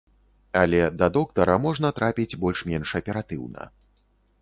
Але да доктара можна трапіць больш-менш аператыўна.